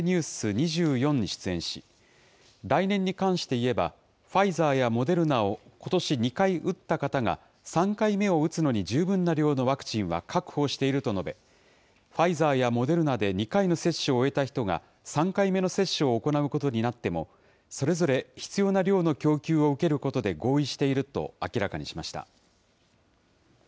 ２４に出演し、来年に関していえば、ファイザーやモデルナをことし２回打った方が、３回目を打つのに十分な量のワクチンは確保していると述べ、ファイザーやモデルナで２回の接種を終えた人が、３回目の接種を行うことになっても、それぞれ必要な量の供給を受けることで合意していると明らかにしました。